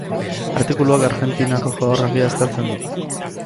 Artikuluak Argentinako geografia aztertzen du.